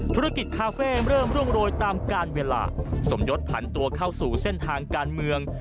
ธุรกิจคาเฟ่เริ่มร่วงโรยตามการเวลาสมยศผันตัวเข้าสู่เส้นทางการเมือง